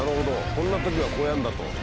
「こんなときはこうやるんだ」と。